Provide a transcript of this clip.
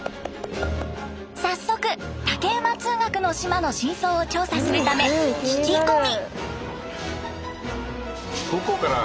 早速竹馬通学の島の真相を調査するため聞き込み。